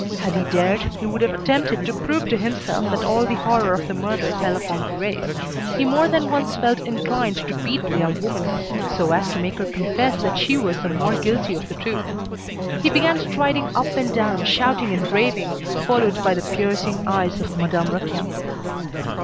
Had he dared, he would have attempted to prove to himself that all the horror of the murder fell upon Thérèse. He more than once felt inclined to beat the young woman, so as to make her confess that she was the more guilty of the two. He began striding up and down, shouting and raving, followed by the piercing eyes of Madame Raquin.